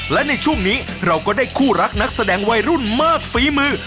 และในช่วงนี้เราก็ได้คู่รักนักแสดงวัยรุ่นมากฝีมือ